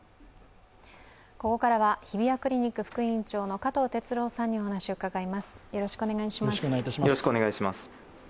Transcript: ここからは日比谷クリニック副院長の加藤哲朗さんにお話を伺います。